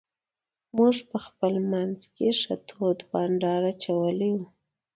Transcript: موږ په خپل منځ کې ښه تود بانډار اچولی وو.